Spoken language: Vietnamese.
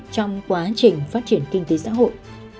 trong quá trình phát triển kinh tế xã hội